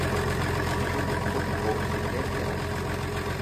Em julho, com pouco fogo ferver o perol.